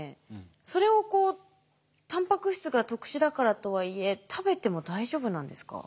それをたんぱく質が特殊だからとはいえ食べても大丈夫なんですか？